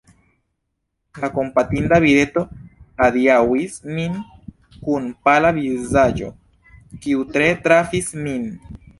La kompatinda vireto adiaŭis nin kun pala vizaĝo, kiu tre trafis min.